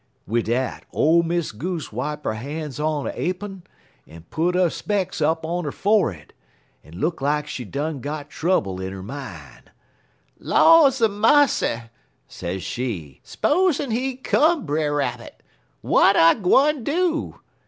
"Wid dat, ole Miss Goose wipe 'er han's on 'er apun, en put 'er specks up on 'er forrerd, en look lak she done got trouble in 'er mine. "'Laws a massy!' sez she, 'spozen he come, Brer Rabbit! W'at I gwine do?